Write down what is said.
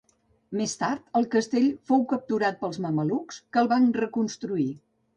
Més tard, el castell fou capturat pels mamelucs, que el van reconstruir.